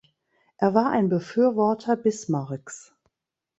Er war ein Befürworter Bismarcks.